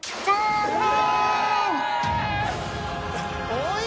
おい！